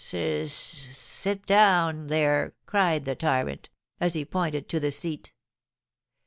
'S s sit down there!' cried the tyrant, as he pointed to the seat.